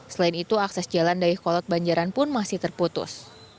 selain itu akses jalan dayakolot banjaran pun masih terputus